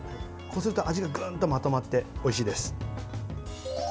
こうすると味がぐんとまとまっておいしいです。